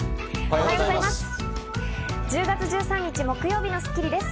おはようございます。